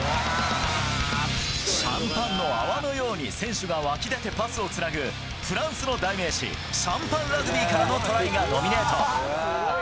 シャンパンの泡のように選手が湧き出てパスをつなぐ、フランスの代名詞、シャンパンラグビーからのトライがノミネート。